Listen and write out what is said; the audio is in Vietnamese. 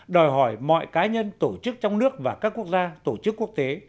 đòi hỏi mọi cá nhân tổ chức trong nước và các quốc gia tổ chức quốc tế